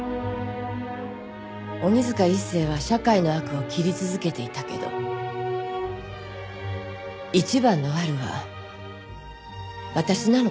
鬼塚一誠は社会の悪を斬り続けていたけど一番の悪は私なのかもしれませんね。